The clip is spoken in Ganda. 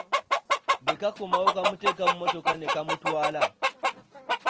Bwe kakomawo kamuteeka mu mmotoka ne kamutwala.